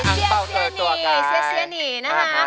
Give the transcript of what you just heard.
เซียเซียหนี่ซ์นะคะ